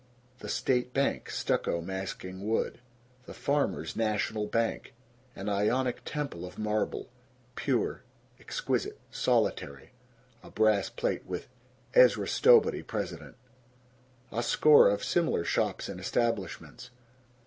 The State Bank, stucco masking wood. The Farmers' National Bank. An Ionic temple of marble. Pure, exquisite, solitary. A brass plate with "Ezra Stowbody, Pres't." A score of similar shops and establishments.